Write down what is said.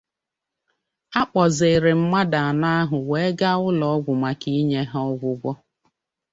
a kpọzịrị mmadụ anọ ahụ wee gaa ụlọọgwụ maka inye ha ọgwụgwọ